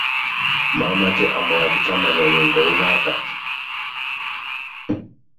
Mamache amwachi chamanenyun kou notok